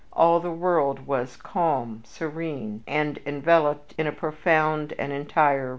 All the world was calm, serene, and enveloped in a profound and entire repose.